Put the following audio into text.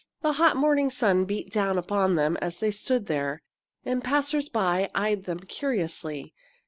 The hot morning sun beat down upon them as they stood there, and passers by eyed them curiously.